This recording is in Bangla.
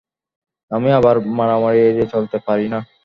আমি আবার মারামারি এড়িয়ে চলতে পারি না।